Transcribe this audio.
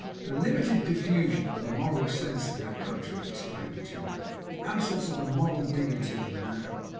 'The limited diffusion of a moral sense in that country!' exclaimed the general. 'The absence of a moral dignity in man!